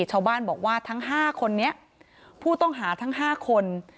ชาวบ้านบอกว่าทั้ง๕คนนี้ผู้ต้องหาทั้ง๕คน